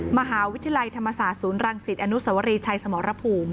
มหาวิทยาลัยธรรมศาสตร์ศูนย์รังสิตอนุสวรีชัยสมรภูมิ